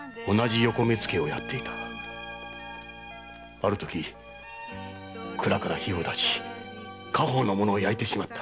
ある時蔵から火を出して家宝の物を焼いてしまった。